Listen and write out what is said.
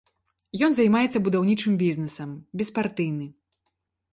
Ён займаецца будаўнічым бізнэсам, беспартыйны.